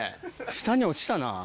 下に落ちたな。